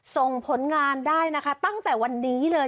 ส่งผลงานได้นะคะตั้งแต่วันนี้เลย